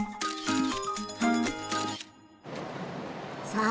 さあ